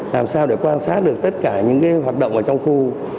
làm sao để quan sát được tất cả những hoạt động ở trong khu